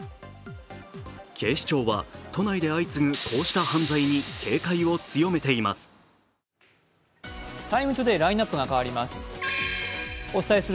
警視庁は、都内で相次ぐこうした犯罪に警戒を強めています。